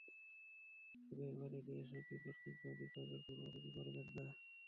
তবে এবার ঈদে এসব বিপদ কিংবা বিপাকের পরোয়া তিনি করবেন না।